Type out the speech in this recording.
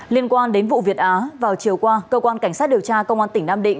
liên quan đến vụ việt á vào chiều qua cơ quan cảnh sát điều tra công an tỉnh nam định